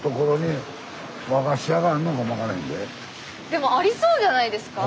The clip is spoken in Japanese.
でもありそうじゃないですか？